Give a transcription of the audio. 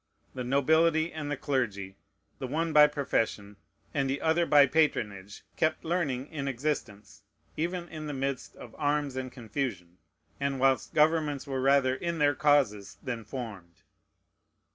The nobility and the clergy, the one by profession, and the other by patronage, kept learning in existence, even in the midst of arms and confusions, and whilst governments were rather in their causes than formed.